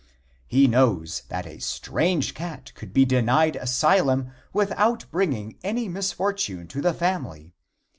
He knows that a strange cat could be denied asylum without bringing any misfortune to the family.